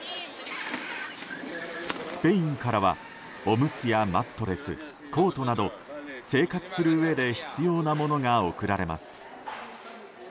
スペインからは、おむつやマットレス、コートなど生活するうえで必要なものが送られます。